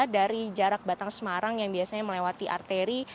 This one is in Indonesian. dari jarak batang semarang yang biasanya melewati arteri